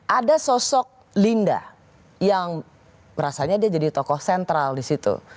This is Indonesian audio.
ada sosok linda yang merasanya dia jadi tokoh sentral di situ